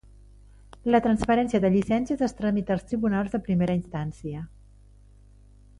La transferència de llicències es tramita als tribunals de primera instància.